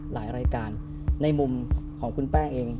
หลายรายการในมุมของคุณแป้งเอง